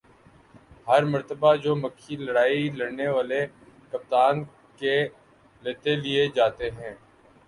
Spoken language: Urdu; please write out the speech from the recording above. ہر مرتبہ چومکھی لڑائی لڑنے والے کپتان کے لتے لیے جاتے ہیں ۔